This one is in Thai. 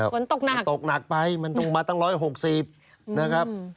ฝนตกหนักมันตกหนักไปมันต้องมาตั้ง๑๖๐นะครับ